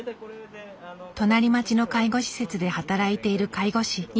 隣町の介護施設で働いている介護士。